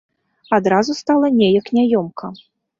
Адразу стала неяк няёмка.